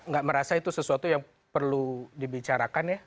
saya nggak merasa itu sesuatu yang perlu dibicarakan ya